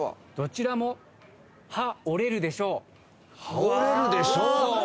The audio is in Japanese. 「羽織れるでしょう」！